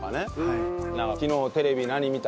昨日テレビ何見たの？とか。